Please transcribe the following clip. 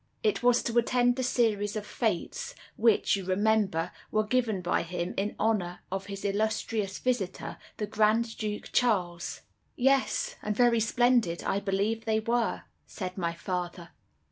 It was to attend the series of fetes which, you remember, were given by him in honor of his illustrious visitor, the Grand Duke Charles." "Yes; and very splendid, I believe, they were," said my father.